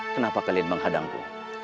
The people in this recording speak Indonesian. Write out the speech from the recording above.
kenapa kalian menghadangku